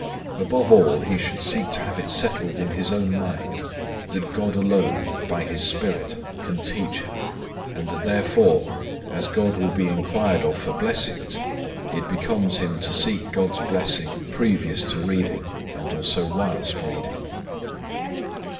Above all he should seek to have it settled in his own mind, that God alone, by His Spirit, can teach him, and that therefore, as God will be enquired of for blessings, it becomes him to seek God's blessing previous to reading, and also whilst reading.